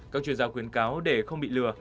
các chuyên gia khuyến cáo để không bị lừa